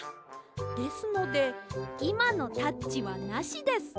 ですのでいまのタッチはなしです。